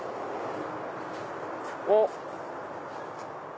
おっ。